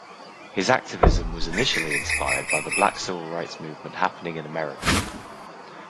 His activism was initially inspired by the Black civil rights movement happening in America.